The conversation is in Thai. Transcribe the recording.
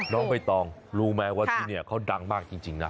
น้องใบตองรู้ไหมว่าที่นี่เขาดังมากจริงนะ